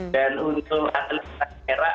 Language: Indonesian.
dan untuk atlet yang bergerak